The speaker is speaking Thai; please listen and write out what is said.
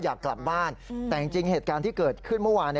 อยากกลับบ้านแต่จริงเหตุการณ์ที่เกิดขึ้นเมื่อวาน